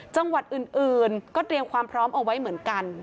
จังหวัดอื่นก็เตรียมความพร้อมเอาไว้เหมือนกัน